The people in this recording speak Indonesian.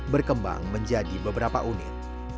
berkembang menjadi beberapa unit